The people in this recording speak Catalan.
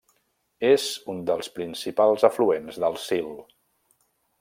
És un dels principals afluents del Sil.